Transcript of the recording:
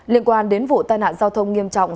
liên quan đến vụ tai nạn giao thông nghiêm trọng